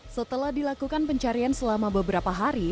setelah dilakukan pencarian selama beberapa hari